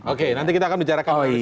oke nanti kita akan bicara kembali di situ